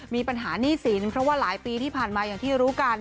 มีปัญหาหนี้สินเพราะว่าหลายปีที่ผ่านมาอย่างที่รู้กัน